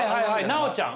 奈緒ちゃん！